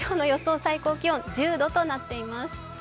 最高気温、１０度となっています。